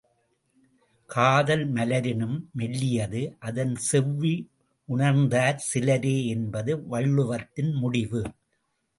காதல் மலரினும் மெல்லியது அதன் செவ்வி உணர்ந்தார் சிலரே என்பது வள்ளுவத்தின் முடிவு.